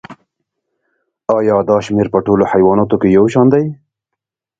ایا دا شمیر په ټولو حیواناتو کې یو شان دی